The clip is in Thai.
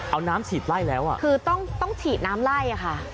เอาน้ำฉีดไล่แล้วอ่ะคือต้องต้องฉีดน้ำไล่อ่ะค่ะ